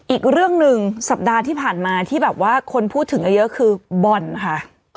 อีกเรื่องหนึ่งสัปดาห์ที่ผ่านมาที่แบบว่าคนพูดถึงเยอะคือบ่อนค่ะ